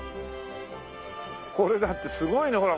これだってすごいね。